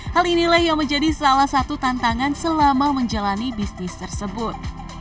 hal inilah yang menjadi salah satu tantangan selama menjalani bisnis tersebut